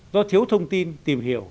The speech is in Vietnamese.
do thiếu thông tin tìm hiểu